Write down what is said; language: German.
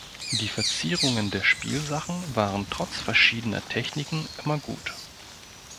Die Verzierungen der Spielsachen waren trotz verschiedener Techniken immer gut.